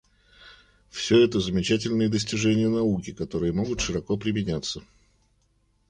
Все это — замечательные достижения науки, которые могут широко применяться.